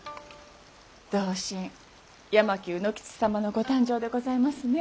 同心八巻卯之吉様のご誕生でございますね。